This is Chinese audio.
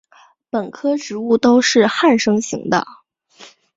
本科植物都是旱生型的。